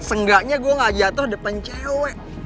senggaknya gue gak jatoh depan cewek